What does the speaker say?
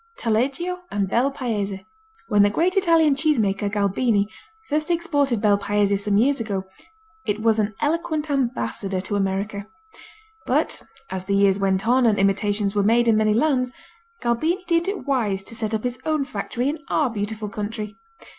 Taleggio and Bel Paese When the great Italian cheese maker, Galbini, first exported Bel Paese some years ago, it was an eloquent ambassador to America. But as the years went on and imitations were made in many lands, Galbini deemed it wise to set up his own factory in our beautiful country.